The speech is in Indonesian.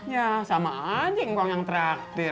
ya sama aja ngkong yang traktir